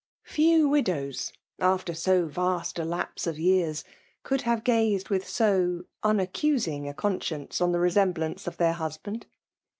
'Few widows, after so vast a lapse of years, tould have gated with sd unaccusing a coilr jictenoe <m the resemblance' of their husband.